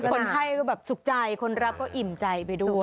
คนให้ก็แบบสุขใจคนรับก็อิ่มใจไปด้วย